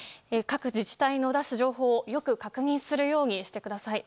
各自治体の出す情報をよく確認するようにしてください。